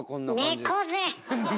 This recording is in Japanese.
猫背！